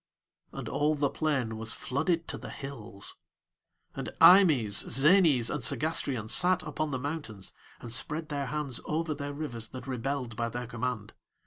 And all the plain was flooded to the hills. And Eimës, Zänës, and Segástrion sat upon the mountains, and spread their hands over their rivers that rebelled by their command.